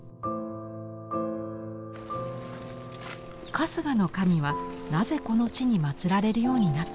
春日の神はなぜこの地にまつられるようになったのか。